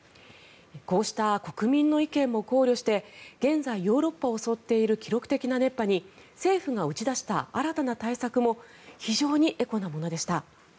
こうした国民の意見も考慮して現在、ヨーロッパを襲っている記録的な熱波に政府が打ち出した新たな対策も非常にエコなものでした。